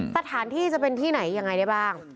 สถานที่จะเป็นที่ไหนยังไงได้บ้าง